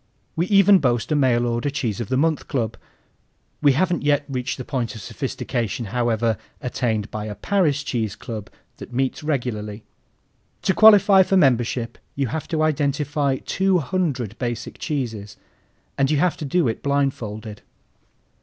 We even boast a mail order Cheese of the Month Club. We haven't yet reached the point of sophistication, however, attained by a Paris cheese club that meets regularly. To qualify for membership you have to identify two hundred basic cheeses, and you have to do it blindfolded.